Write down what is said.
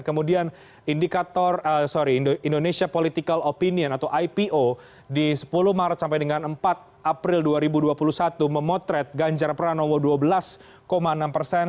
kemudian indikator sorry indonesia political opinion atau ipo di sepuluh maret sampai dengan empat april dua ribu dua puluh satu memotret ganjar pranowo dua belas enam persen